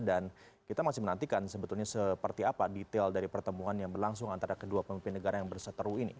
dan kita masih menantikan sebetulnya seperti apa detail dari pertemuan yang berlangsung antara kedua pemimpin negara yang berseteru ini